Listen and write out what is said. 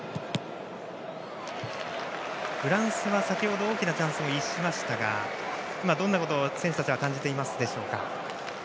フランスは先程大きなチャンスを逸しましたが今、どんなことを選手たちは感じていますでしょうか。